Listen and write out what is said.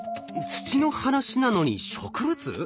土の話なのに植物？